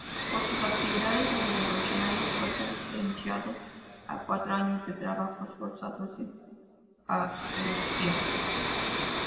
Por sus actividades revolucionarias fue sentenciado a cuatro años de trabajos forzados en Yakutia.